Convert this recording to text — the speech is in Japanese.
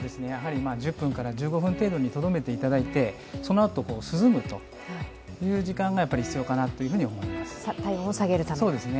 １０分から１５分程度にとどめていただいて、そのあと涼むという時間が必要かなと思います。